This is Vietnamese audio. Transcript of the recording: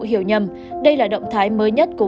hiểu nhầm đây là động thái mới nhất của